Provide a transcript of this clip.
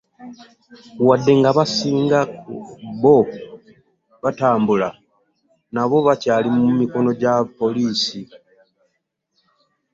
Wadde ng'abasinga ku abo b'atambula nabo bakyali mu mikono gya poliisi.